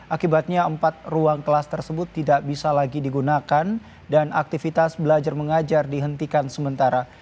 akibatnya empat ruang kelas tersebut tidak bisa lagi digunakan dan aktivitas belajar mengajar dihentikan sementara